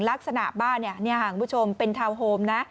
ลักษณะบ้านคุณผู้ชมเป็นทาวน์โฮมนะ